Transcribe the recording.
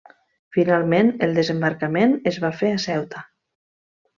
Finalment el desembarcament es va fer a Ceuta.